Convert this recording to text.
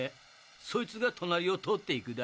そいつが隣を通っていくだよ。